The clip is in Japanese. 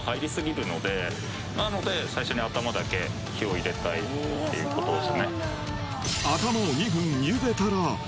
なので最初に頭だけ火を入れたいっていうことですね。